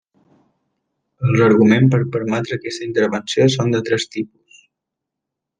Els arguments per permetre aquesta intervenció són de tres tipus.